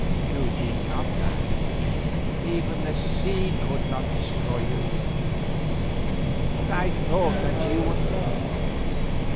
You did not die, even the sea could not destroy you. But I thought that you were dead.